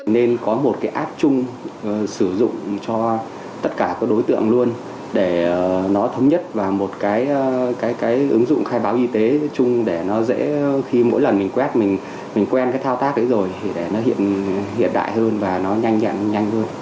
nên có một cái app chung sử dụng cho tất cả các đối tượng luôn để nó thống nhất vào một cái ứng dụng khai báo y tế chung để nó dễ khi mỗi lần mình quét mình quen cái thao tác đấy rồi thì để nó hiện đại hơn và nó nhanh nhẹn nhanh hơn